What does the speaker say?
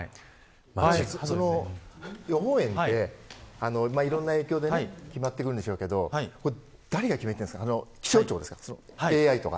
その予報円っていろんな影響で決まってくるんでしょうけどこれ、誰が決めているんですか気象庁ですか、ＡＩとか。